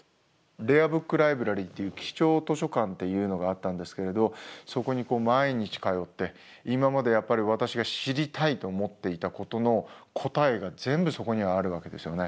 レアブックライブラリーっていう貴重図書館っていうのがあったんですけれどそこに毎日通って今までやっぱり私が知りたいと思っていたことの答えが全部そこにはあるわけですよね。